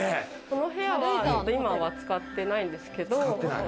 この部屋は今は使っていないんですけど。